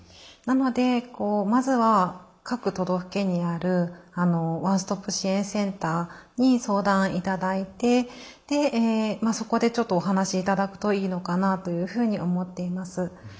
なのでまずは各都道府県にあるワンストップ支援センターに相談頂いてそこでちょっとお話し頂くといいのかなというふうに思っています。